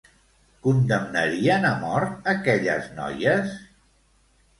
Condemnarien a mort aquelles noies?